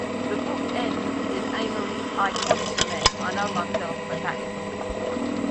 The book ends with Amory's iconic lament, "I know myself, but that is all".